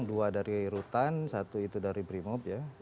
dua dari rutan satu itu dari brimob ya